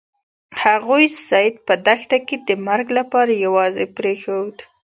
هغوی سید په دښته کې د مرګ لپاره یوازې پریښود.